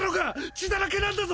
血だらけなんだぞ！